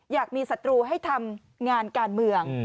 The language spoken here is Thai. อยากมีศัตรูให้ทำงานการเมือง